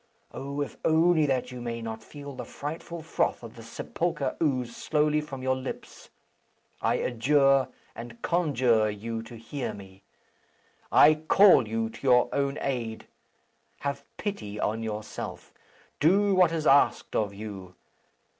Oh! if only that you may not feel the frightful froth of the sepulchre ooze slowly from your lips, I adjure and conjure you to hear me. I call you to your own aid. Have pity on yourself. Do what is asked of you.